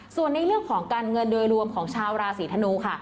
ส่วนในเรื่องของการเงินโดยรวมของชาวราศีธนูค่ะ